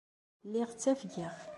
Lliɣ ttafgeɣ.